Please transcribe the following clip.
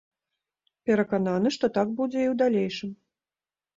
Перакананы, што так будзе і ў далейшым.